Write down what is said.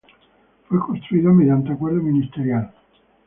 Fue constituido mediante acuerdo ministerial No.